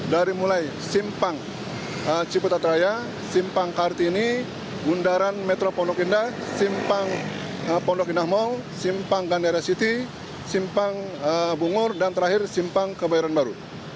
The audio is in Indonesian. dari mulai simpang ciputat raya simpang kartini bundaran metro pondok indah simpang pondok indah mall simpang gandara city simpang bungur dan terakhir simpang kebayoran baru